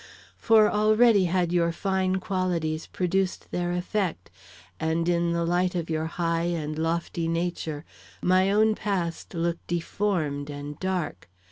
For already had your fine qualities produced their effect, and in the light of your high and lofty nature, my own past looked deformed and dark.